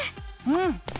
うん。